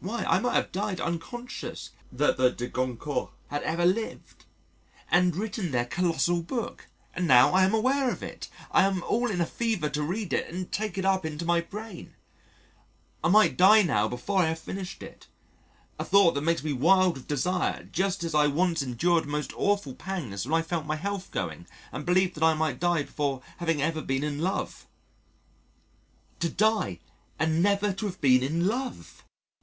Why I might have died unconscious that the De Goncourts had ever lived and written their colossal book and now I am aware of it, I am all in a fever to read it and take it up into my brain: I might die now before I have finished it a thought that makes me wild with desire just as I once endured most awful pangs when I felt my health going, and believed that I might die before having ever been in love to die and never to have been in love!